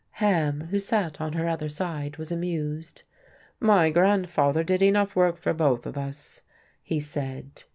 Ham, who sat on her other side, was amused. "My grandfather did enough work for both of us," he said.